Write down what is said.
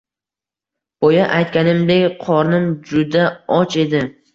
Boya aytganimdek, qornim juda och edi